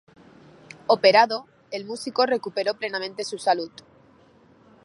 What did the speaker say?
Operado, el músico recuperó plenamente su salud.